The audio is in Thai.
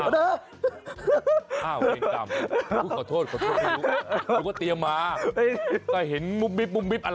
เราไปอาบน้ำ